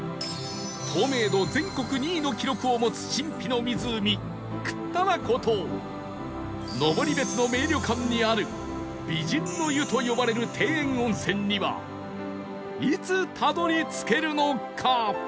透明度全国２位の記録を持つ神秘の湖倶多楽湖と登別の名旅館にある美人の湯と呼ばれる庭園温泉にはいつたどり着けるのか？